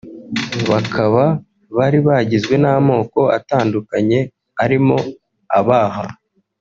bakaba bari bagizwe n’amoko atandukanye arimo Abaha